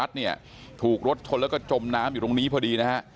เนี่ยถูกรถชนแล้วก็จมน้ำอยู่ตรงนี้พอดีนะฮะ